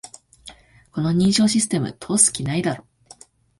この認証システム、通す気ないだろ